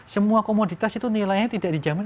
semua komoditas itu nilainya tidak dijamin